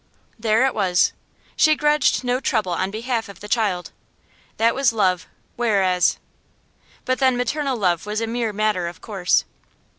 There it was. She grudged no trouble on behalf of the child. That was love; whereas But then maternal love was a mere matter of course.